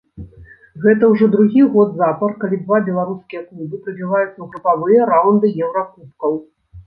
Гэта ўжо другі год запар, калі два беларускія клубы прабіваюцца ў групавыя раўнды еўракубкаў.